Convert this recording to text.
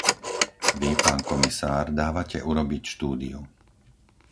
Vy, pán komisár, dávate urobiť štúdiu.